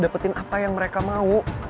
dapetin apa yang mereka mau